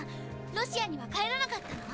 ロシアには帰らなかったの？